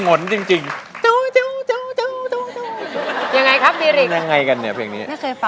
กลับมาเมื่อเวลา